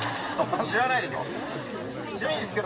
知らないっすか？